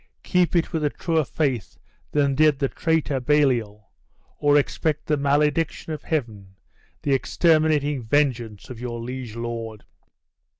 keep it with a truer faith than did the traitor Baliol, or expect the malediction of Heaven, the exterminating vengeance of your liege lord!"